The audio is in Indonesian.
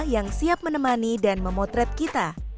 yang siap menemani dan memotret kita